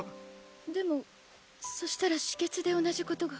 でもそしたら士傑で同じ事が。